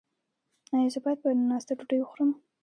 ایا زه باید په ناسته ډوډۍ وخورم؟